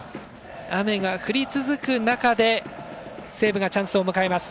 雨が降り続く中で西武がチャンスを迎えます。